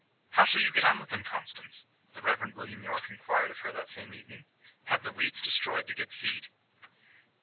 "How shall you get on with them, Constance?" the Rev. William Yorke inquired of her that same evening. "Have the weeds destroyed the good seed?"